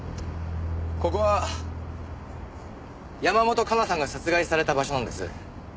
ここは山本香奈さんが殺害された場所なんです。